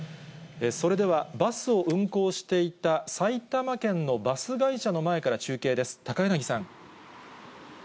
それでは、バスを運行していた埼玉県のバス会社の前から中継です。